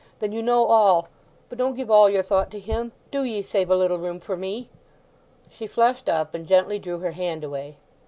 Then you know all; but don't give all your thought to him! Do ye save a little room for me!" She flushed up, and gently drew her hand away.